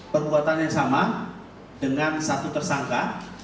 perbuatan yang sama dengan satu tersangka